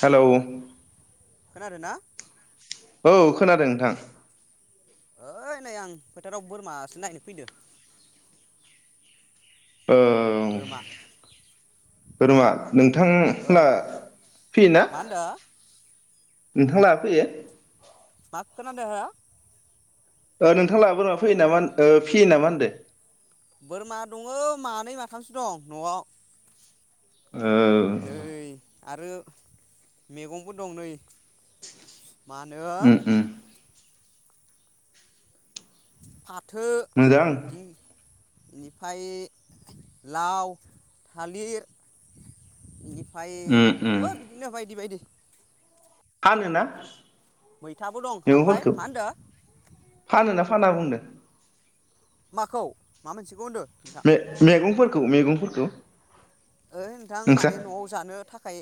Hello खोनादो ना? औ खोनादों नोंथां। ओइ नै आं फोथाराव बोरमासो नायनो फैदो। बोरमा ओ--औ रुमा औ नोंथांला फ्रि ना? मा होनदो नोंथां ला फैयो मा खोनादों हो? ओ नोंथां लाबो बोरमा फैयो नामा ओ फियो नामा होनदो बोरमा दङो मानै माथामसो दं न'आव ओ नै आरो मेगंबो दं नै मा नो उम उम [inaudible] मोजां इनिफाय लाव थालिर इनि फाय उम उम दङो बिदिनो बायदि बायदि फानो ना मैथाबो दं ओमफाय मा होनदों फानोना फाना बुंदों माखौ मा मोनसेखौ होनदो नोंथां मे मेगंफोर खौ मैगंफोरखौ ओइ नोंथां नोंस्रा माने न'आव जानो थाखाय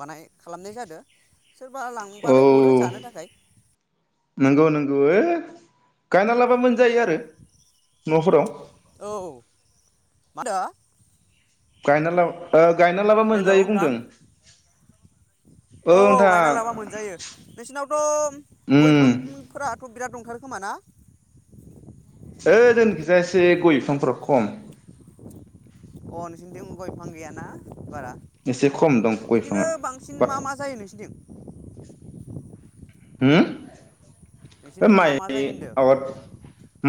बानाय खालामनाय जादों सोरबा औ लांबालाय हरो जानो थाखाय नोंगौ नोंगौ ओइ गायना लाबा मोन जायो‌ आरो न'फोराव औ मा होनदो गायना लाब ओ गायना लाबा हेलौ मोनजायो नोंथां बुंदों औ औ गायना लाबा मोनजायो नोंसिनावथ गय उम बिफांफोराथ बिराद दंथारोखोमा ना ओ जोंनिखिजा एसे गय बिफांफोरा खम अ नोंसोरनिथिं गय बिफां गैयाना बारा एसे खम दं गय बिदिनो बिफाङा बांसिन मा मा जायो नोंसिनिथिं होम ओ नोंसिनिथिं मा माइ मा जायो होनदो आबाद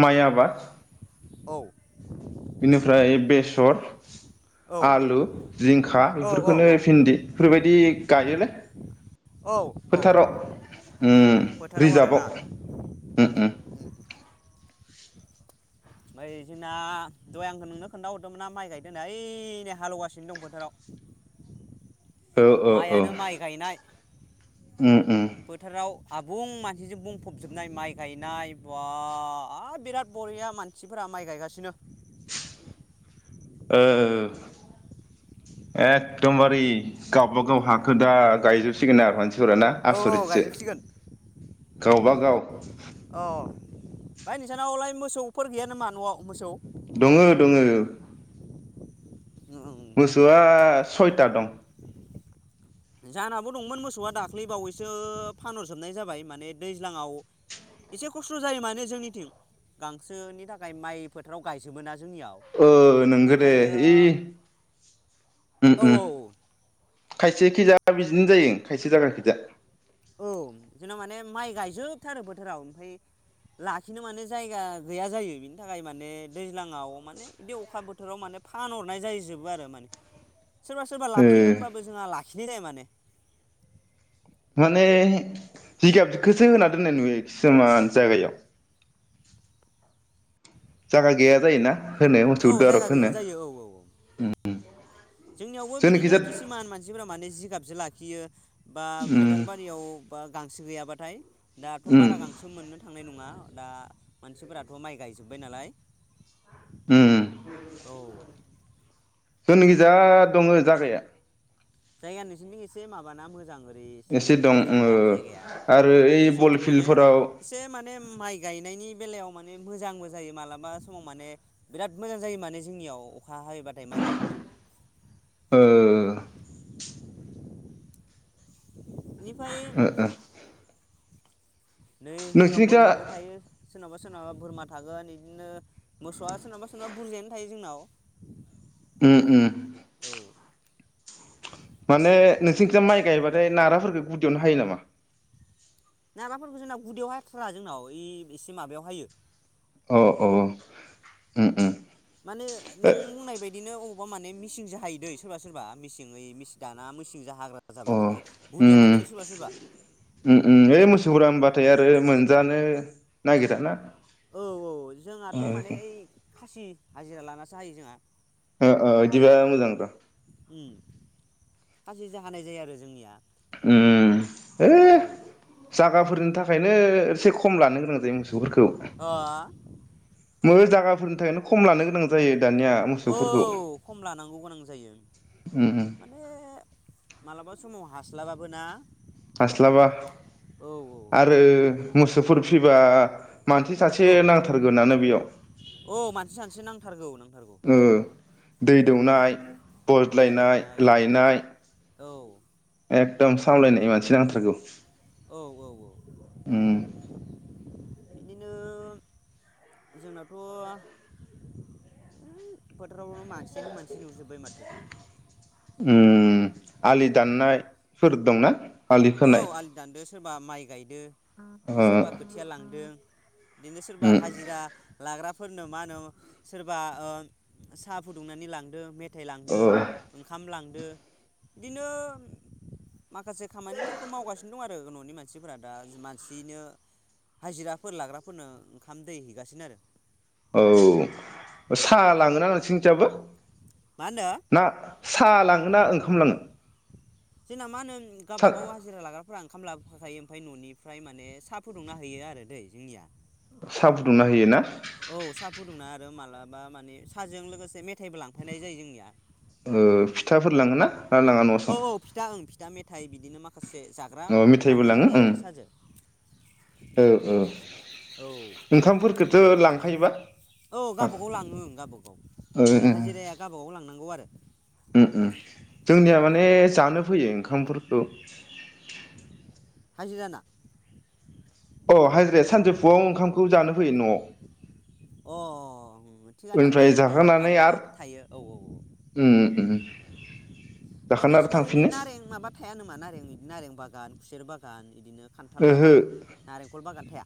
माइ आबा बाद औ बेनिफ्राय बेसर औ आलु जिंखा औ औ बेफोरखौनो औ भिन्दि बेफोरबायदि गायोलै औ औ फोथाराव उम फोथाराव आरोना रिजाभाव उम उम ओमफाय जोंना दहाय आं नोंनो खोन्थाहरदोंमोनना माइ गायदों होननाया ओय नो हालेवगासिनो दं फोथोराव औ औ मायानो माइ गायनाय उम उम फोथाराव आबुं मानसिजों बुंफब जोबनाय माइ गायनाय बवा बिराद बरिया मानसिफोरा माइ गायगासिनो। ओ एकदमबारे गावबा गाव हाखो दा गायजोबसिगोन आरो मानसि जोराना औ औ आसरितसो गायजोबसिगोन गावबा गाव अ फाय नोंसानावलाय मोसौफोर गैया नामा न'आव मोसौ? दंङो दंङो। उम मोसौवा सयथा दं। जानाबो दंमोन मोसौआ दाख्लैबावैसो फानहरजोबनाय जाबाय माने दैज्लांङाव एसे खस्थ' जायो माने जोंनिथिं गांसोनि थाखाय माइ फोथाराव गायजोबोना जोंनियाव ओ नोंगो दे बेनिखायनो ओइ उम औ उम औ खायसेखिजा बिदिनो जायो खायसे जागाखिजाय औ जोंना माने माइ गायजोबथारो बोथोराव ओमफाय लाखिनो माने जायगा गैया जायो बिनि थाखाय माने दैज्लांङाव माने बिदि अखा बोथोराव माने फानहरनाय जायो जोबो आरो माने। सोरबा सोरबा ओ लाखियो ओमबाबो जोंहा ला खिनो जायो माने। माने जिगाबखोसो होना दोननाय नुयो खिसुमान जागायाव। जागा गैया जायोना? होनाया मोसौ औ जायगा दारुख गैया होनो जायो औ औ औ उम जोंनियावबो बिदिनो खिसिमान मानसिफोरि माने जिगाब जो लाखियो। बा उम फोथारबारियाव बा गांसो गैयाबाथाय दाथ' उम बारा गांसो मोननो थांनाय नंङा, दा मानसिफोराथ' माइ गायजोब्बाय नालाय उम उम औ जोंनि गिजा दंङ जागाया। जायगा नोंसिनिथिं एसे माबाना मोजां ओय से एसे दं बोरि ओ ना जायगाया, आरो ओइ बल जोंनिथिं माने फिल्डफोराव एसे माने माइ गायनायनि बे बेलायाव माने मोजांबो जायो मालाबा समाव माने बिराद मोजां जायो माने जोंनियाव अखा हायोबाथाय माइ गायनो। ओ निफाय ओ नै जोंनाव नोंसिनिखिजा बोरमाबो थायो, सोरनावबा सो सोरनाबा बोरमा थागोन, इदिनो मोसौआ सोरनाबा सोरनाबा बुरजायानो थायो जोंनाव। उम उम औ माने नोंसिनिखिजाय माइ गायबाथाय नाराफोरखौ गुदियावनो हायो नामा? नाफोरखौ जोंनाव गुदियाव हाथ्रा जोंनाव इ एसे माबायाव हायो। अ अ उम उम माने ओ नों बुंनाय बाय दिनो अबावबा माने मिसिं जाहायो दै सोरबा सोरबा मिसिं दाना मिसिं जाहाग्रा जाबाय अ नालाय। गुदियावनो उम हायो सोरबा सोरबा उम उम ओइ मोसौ गोदानबाथाय आ रो मोनजानो नागिरा ना औ औ जोंहाथ' माने ओइ खासि हाजिरा लानासो हायो जोंहा। ओ ओ इदिबा मोजांथ' उम खासिजो जाहानाय जायो आरो जोंनिया। उम औ थाखाफोरनि थाखायनो एसे खम लानो गोनां जायो मोसौफोरखौ। आ गा फोरनि थाखायनो कम लानो गोनां जायो। दानिया औ मोसौफोरखौ खम लानांगौ गोनां जायो उम उम माने मालाबा समाव हास्लाबाबो ना माने हास्लाबा औ आरो मोसौफोर फिबा मानसि सासे औ नांथारगोनानो बेयाव औ मानसि सानसो नांथारगौ नांथारगौ ओ दै ओं दौनाय दै बज्लायनाय दौनाय लायनाय औ एकदम सामलायनाय मानसि नांथारगौ औ औ औ उम बिदिनो जोंनाथ' उम फो बोथारावनो मानयानो मानसि नुजोबबाय माथो ओम आलि दाननायफोर दंना।। आलि औ खोनाय आलि दानदो सो सोरबा माइ गायदो ओ बिदिनो सोरबा खोथिया लांदों दिनो सोरबा उम हाजिरा लाग्राफोरनो मा होनो सोरबा ओ सा फुदुंनानै लांदो मे मेथाय औ लांदो ओंखाम लांदो बिदिनो माखासे खामानिफोरखौ मावगासिनो दं आरो आरो न'नि मानसिफोरा दा मानसिनो हाजिराफोर लाग्राफोरनो ओंखाम दै हैगासिनो आरो औ साहा लाङोना नोंसिनिथिंजाबो मा होनो ना साहा लाङो ना ओंखाम लाङो। जोंना मा होनो। सा गावबा गाव हाजिरा लाग्राफोरा ओंखाम लाबो हरफा खायो ओमफाय न'निफ्राय माने सा फुंदुंना हैयो आरो दै जोंनिया। सा फुदुंना हैयो ना। औ साहा फुदुंना मालाबा माने साजों लोगोसे मे थाइबो लांफानाय जायो जोंनिया। फोर लाङोना। ना लाङा न'आव औ सं औ फिथा ओ फिथा मे थाय बिदिनो मा खासे जाग्रा अ मिथाइबो लांनाय लाङो जायो ओं आरो साजों औ औ औ ओंखामफोरखौथ' लांखायोबा औ गाबागाव लाङो गावाबा गाव ओ जोंना हाजिराया गावबा गाव लांनांगौ आरो। उम उम जोंनिया माने जानो फैयो ओंखामफोरखौ। हाजिराना। औ हाजिराया सानजौफुआव ओंखामखौ जानो फैयो नआव। अ थिगानो ओमफ्राय बिबो जाखांनानै माने आरो थायो औ औ। उम उम ओमफाय जाखांना आरो नोंसिनाव इदि थांफिनो नारें माबा थाया नामा नारें [unintelligible] नारें बागान। खुसेर बागान। बिदिनो खान्थाल ओहो बागान नारेंखल बागान थाया।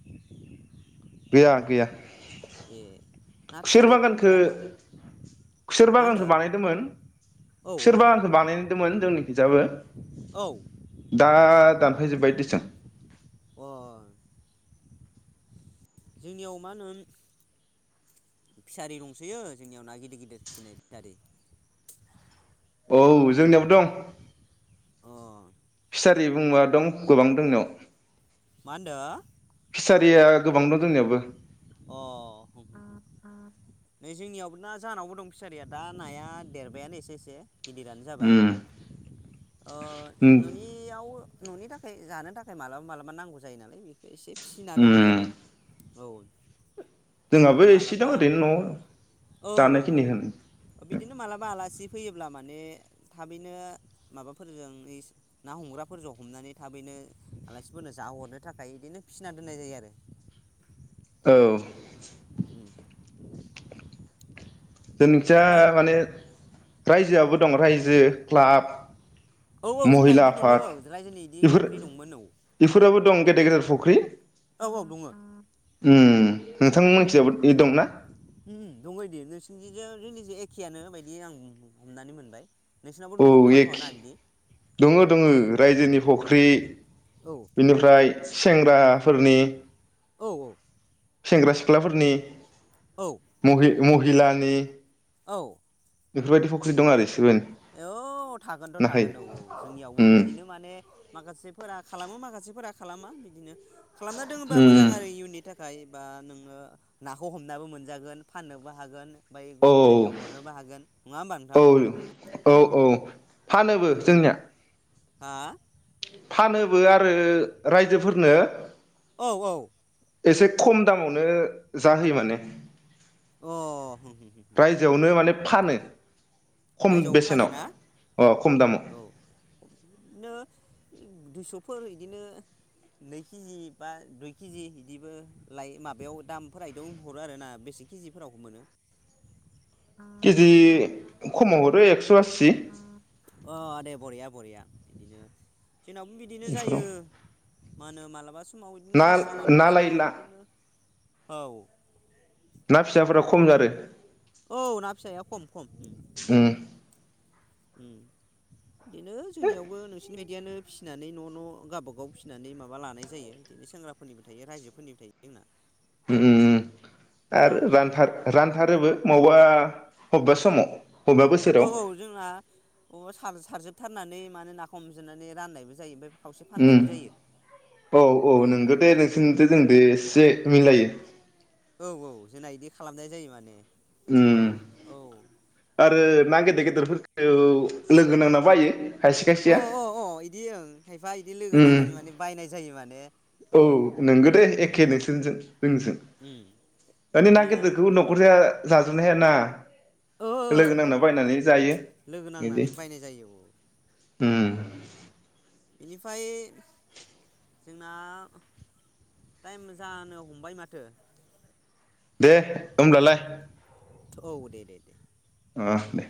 गैया गैया। ए ना खुसेर फिसारिफोरबो बागानखो थाया नामा खुसेर मा होनदो बागानखो बानायदोंमोन औ खुसेर औ बागानखो बानायदोंमोन जोंनि हिजाबो। औ दा। दानफायजोब्बाय [unintelligible] वा। जोंनियाव मा होनो फिसारि दंसैयो जोंनियाव ना गिदिर गिदिर फिसिनाय फिसारि। औ जोंनियावबो दं। अ। फिसारि बुंबा दं गोबां दंनायाव। मा होनदो। फिसारिया गोबां दं जोंनियावबो। अ नै जोंनियावबो ना जाहानावबो दं फिसारिया दा नाया देरबायानो एसे एसे। गिदिरानो जाबाय। उम ओ उम ननियाव ननि थाखाय जानो थाखाय मालाबा मालाबा नांगौ जायो नालाय बेखौ एसे। फिसिना दोननाय उम जादो। औ। जोंहाबो बिदिनो एसे दं मालाबा ओरैनो न'आव औ औ जानायखिनि होनो औ बिदिनो मालाबा आलासि फैयोब्ला माने थाबैनो माबाफोरजों ना हमग्राफोरजों हमनानै थाबैनो आलासिफोरनो जोहरनो थाखाय बिदिनो फिसिना दोननाय जायो आरो औ जोंनोंथिया ओमफ्राय माने रायजोआबो दं रायजो क्लाब औ औ जोंना महिला इदि दङो आफाद रायजोनि बिदि बेफोर फुख्रि दंमोन बेफोराबो दं गेदेर गेदेर औ फुख्रि औ औ दङ उम नोंथां मिथिंजायबो इदि दंना उम दंबायदि नोंसिनिजों जोंनिजों एखेयानो बायदि आं हम हमनानै मोनबाय नोंसिनावबो औ दङ खोमाथ' एखे ना बिदि दोङो दोङो रायजोनि फख्रि ख्रि औ बेनिफ्राय सेंग्राफोरनि औ औ सेंग्रा सिख्लाफोरनि औ [inaudible] हिलानि औ बेफोरबायदि फख्रि दं आरो [unintelligible] औ थागोनथ नाथाय थागोन औ औ जोंनियावबो उम बिदिनो माने माखासेफोरा खालामो माखासेफोरा खालामा बिदिनो खालामना दोनोबा मोजां उम आरो इयुननि थाखाय खायबा नोङो नाखौ हमनानैबो मोनजागोन फाननोबो हागोन ओमफाय औ गुबुन जायगायाव हरनोबो हागोन नङा होमबा नोंथां औ औ औ फानोबो नंगौ जोंनिया हा फानोबो आरो रायजोफोरनो औ औ एसे खम दामावनो जाहोयो माने अ रायजोआवनो माने फानो खम रायजोआवबो फानो बेसेनाव ना अ खम दामाव औ बिदिनो दुइसफोर बिदिनो नै केजि बा दुइ केजि बिदिबो लायो माबायाव दामफोरा बिदियावनो हरो आरो ना बेसे केजिफोरावबो मोनो केजि खमाव हर है एकस आसि अ दे बरिया बरिया बिदिनो। जोंनावबो बिदिनो बेफोराव जायो। मानो मालाबा स माव इदिनो ना दुइस' मालाबा ना लायै समाव ना इदिनो औ। ना फिसाफोरा खम जारो। औ ना फिसाया खम खम। उम ओम। बिनो जोंनियावबो नोंसि बिबायदियानो फिसिनानै न' न' गावबागाव फिसिनानै माबा लानाय जायो। इदिनो सेंग्राफोरनिबो थायो रायजोफोरनिबो थायो जोंना। उम उम उम। आरो औ रानथार रानथारोबो माव बावबा हबावबा समाव। बबेबा औ बोसोराव औ जोंना अबा सार-सारजोबथार थानानै माने ना हमजोबनानै राननायबो जायो ओमफाय उम औ औ नोंगो दे नोंसोरनिजो जोंनिदो एसे मिलायो। औ औ जोंना इदि खालामनाय जायो माने। उ औ आरो ना गेदेर गेदेरफोरखौ लोगो नांना बायो खायसे अ खायसेया अ अ इदि ओं खायफा इदि लोगो उम नांनानै माने बायनाय जायो माने। औ नंगो दे उम एखे नोंसोरजों जोंजों उम माने ना जोंनिया गिदिरखौ न'खरसेआ जाजोबनो हाया ना ओ लोगो ओहो नांना बायनानै जायो लोगो इदि। नांनानै बायनाय जायो औ उम। बेनिफाय जोंना टाइम जानो हमबाय माथो। दे होब्लालाय औ दे दे दे। अ दे।